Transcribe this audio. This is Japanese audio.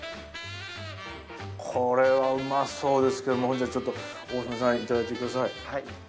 これはうまそうですけどほんじゃちょっと大曽根さんいただいてください。